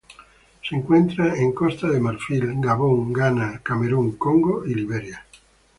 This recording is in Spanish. Se encuentra en Costa de Marfil, Gabón, Ghana, Camerún, Congo y Liberia.